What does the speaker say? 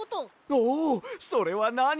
おおそれはなに？